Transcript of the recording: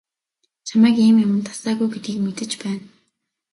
Чамайг ийм юманд дасаагүй гэдгийг мэдэж байна.